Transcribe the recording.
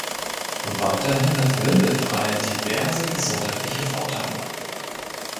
Weiterhin hat Windelfrei diverse gesundheitliche Vorteile.